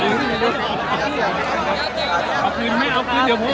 ประวัติภาพไม่ได้นะคะ